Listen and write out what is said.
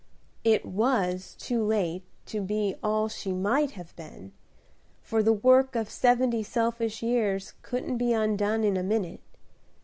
It was too late to be all she might have been, for the work of seventy selfish years couldn't be undone in a minute.